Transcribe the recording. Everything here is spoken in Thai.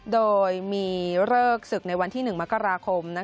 โดยมีเลิกศึกในวันที่๑มกราคม